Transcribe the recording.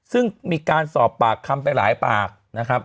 ซึ่งมีการสอบปากคำไปหลายปากนะครับ